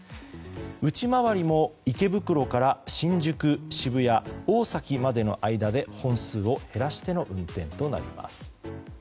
内回りも池袋から新宿、渋谷、大崎までの間で本数を減らしての運転となります。